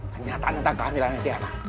kenyataan tentang kehamilannya tiana